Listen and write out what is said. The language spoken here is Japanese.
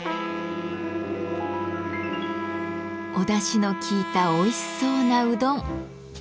おだしのきいたおいしそうなうどん。